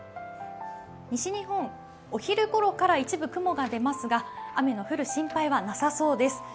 西日本、お昼ごろから一部、雲が出ますが雨の降る心配はなさそうです。